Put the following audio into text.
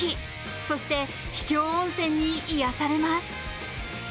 そして秘境温泉に癒やされます。